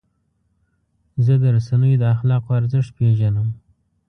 زه د رسنیو د اخلاقو ارزښت پیژنم.